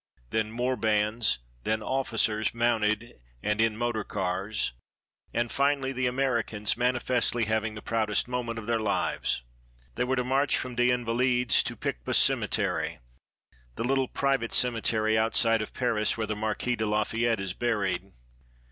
Then more bands, then officers, mounted and in motor cars, and, finally, the Americans, manifestly having the proudest moment of their lives. They were to march from des Invalides to Picpus Cemetery, the little private cemetery outside of Paris, where the Marquis de Lafayette is buried.